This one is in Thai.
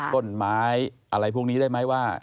ต้นไม้อะไรพวกนี้ได้ไหมว่า